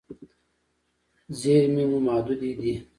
زیرمې مو محدودې دي.